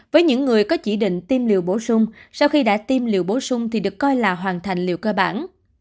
với những người có chỉ định tiêm liều bổ sung sau khi đã tiêm liều bổ sung thì được coi là hoàn thành liệu cơ bản